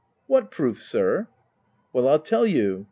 " What proof, sir ?"" Well, Pll tell you.